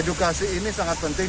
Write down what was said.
edukasi ini sangat penting